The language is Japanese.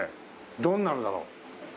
どんなのだろう？